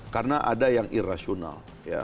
karena ada yang irasional